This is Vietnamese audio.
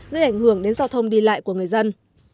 gây ảnh hưởng đến giao thông đi lại của người dân